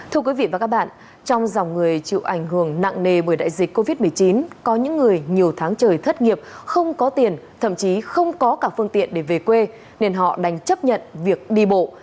thưa quý vị và các bạn trong dòng người chịu ảnh hưởng nặng nề bởi đại dịch covid một mươi chín có những người nhiều tháng trời thất nghiệp không có tiền thậm chí không có cả phương tiện để về quê nên họ đành chấp nhận việc đi bộ